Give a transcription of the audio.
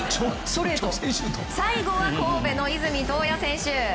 最後は神戸の泉柊椰選手。